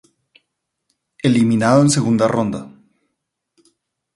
Eliminado en segunda ronda.